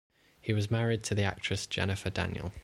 He was married to the actress Jennifer Daniel.